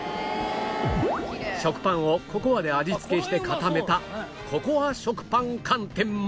食パンをココアで味付けして固めたココア食パン寒天も